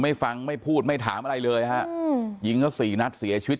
ฟังไม่พูดไม่ถามอะไรเลยฮะอืมยิงเขาสี่นัดเสียชีวิต